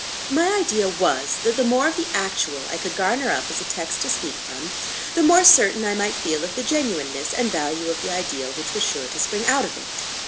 My idea was, that the more of the Actual I could garner up as a text to speak from, the more certain I might feel of the genuineness and value of the Ideal which was sure to spring out of it.